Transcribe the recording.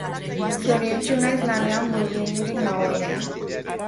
Zoriontsu naiz lanean murgildurik nagoenean.